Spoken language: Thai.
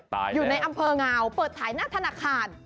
อยู่ในอำเภองาวเปิดถ่ายหน้าธนาคาร